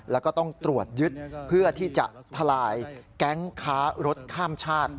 แล้วก็ต้องตรวจยึดเพื่อที่จะทลายแก๊งค้ารถข้ามชาติ